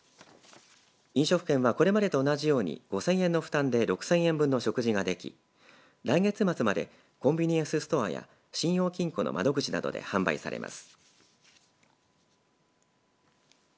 飲食券はこれまでと同じように５０００円の負担で６０００円分の食事ができ来月末までコンビニエンスストアや信用金庫の窓口などで販売されます。